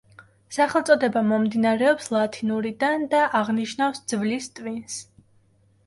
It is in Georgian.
სახელწოდება მომდინარეობს ლათინურიდან და აღნიშნავს ძვლის ტვინს.